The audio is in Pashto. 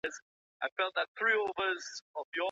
مسلمانانو ته د خلګو ازادول سپارل سوي دي.